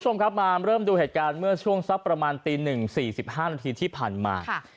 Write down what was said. คุณผู้ชมครับมาเริ่มดูเหตุการณ์เมื่อช่วงสักประมาณตี๑๔๕นาทีที่ผ่านมา